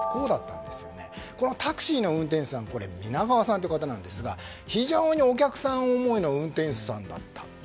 タクシーの運転手さん源川さんという方ですが非常にお客さん思いの運転手さんだった。